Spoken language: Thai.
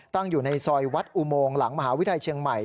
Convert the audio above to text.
อยู่ในซอยวัดอุโมงหลังมหาวิทยาลัยเชียงใหม่